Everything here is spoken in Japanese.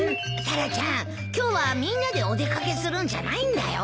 タラちゃん今日はみんなでお出掛けするんじゃないんだよ。